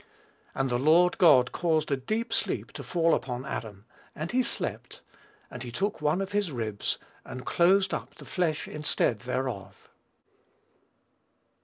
"And the Lord God caused a deep sleep to fall upon Adam, and he slept: and he took one of his ribs, and closed up the flesh instead thereof."